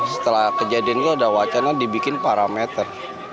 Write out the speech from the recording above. setelah kejadian itu ada wacana dibikin parameter